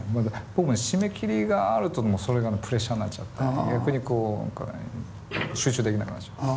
僕もね締め切りがあるともうそれがプレッシャーになっちゃって逆にこう何かね集中できなくなってしまいます。